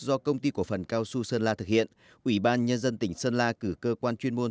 do công ty cổ phần cao xu sơn la thực hiện ủy ban nhân dân tỉnh sơn la cử cơ quan chuyên môn